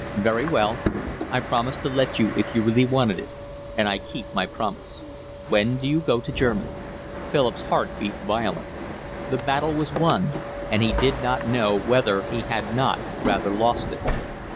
"Very well, I promised to let you if you really wanted it, and I keep my promise. When do you go to Germany?" Philip's heart beat violently. The battle was won, and he did not know whether he had not rather lost it.